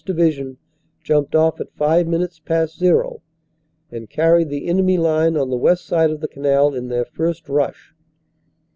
Division jumped off at five min utes past "zero" and carried the enemy line on the west side of the canal in their first rush.